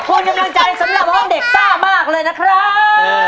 คุณกำลังใจสำหรับน้องเด็กซ่ามากเลยนะครับ